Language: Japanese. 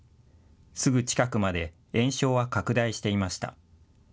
すぐ近くまで延焼は拡大していました。